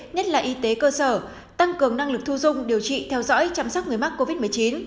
nhất là y tế cơ sở tăng cường năng lực thu dung điều trị theo dõi chăm sóc người mắc covid một mươi chín